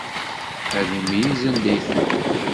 Ad imeyyez anda iteddu.